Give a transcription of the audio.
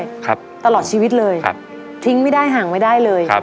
ครับครับตลอดชีวิตเลยทิ้งไม่ได้ห่างไม่ได้เลย